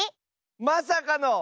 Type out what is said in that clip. まさかの。